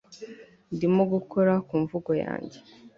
Ndimo gukora ku mvugo yanjye